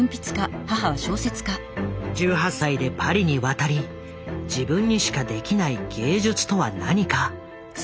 １８歳でパリに渡り自分にしかできない芸術とは何か探し続けた。